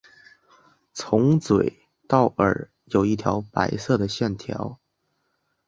从嘴到耳有一道白色的线条。